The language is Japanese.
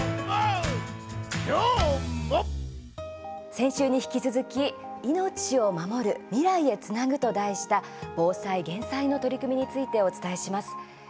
先週に引き続き「命をまもる未来へつなぐ」と題した防災・減災の取り組みについてお伝えします。